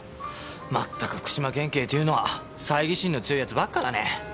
まったく福島県警というのは猜疑心の強い奴ばっかだね。